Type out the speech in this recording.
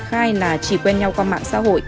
khai là chỉ quen nhau qua mạng xã hội